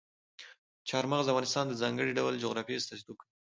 چار مغز د افغانستان د ځانګړي ډول جغرافیې استازیتوب کوي.